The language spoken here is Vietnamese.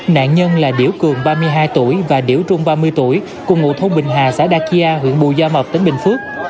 nạn nhân là điểu cường ba mươi hai tuổi và điểu trung ba mươi tuổi cùng ngụ thôn bình hà xã đa chia huyện bù gia mập tỉnh bình phước